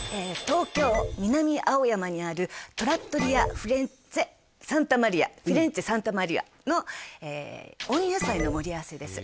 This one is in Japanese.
東京南青山にあるトラットリア・フィレンツェ・サンタマリアフィレンツェ・サンタマリアの温野菜の盛り合わせです